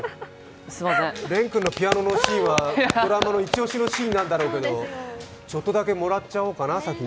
廉君のピアノのシーンはドラマのイチ押しのシーンなんだろうけれどもちょっとだけもらっちゃおうかな、先に。